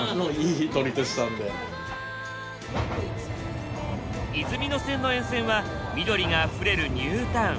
いずみ野線の沿線は緑があふれるニュータウン。